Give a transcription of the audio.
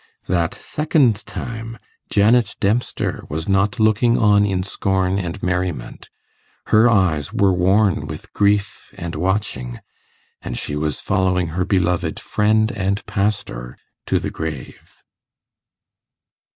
That second time, Janet Dempster was not looking on in scorn and merriment; her eyes were worn with grief and watching, and she was following her beloved friend and pastor to the grave.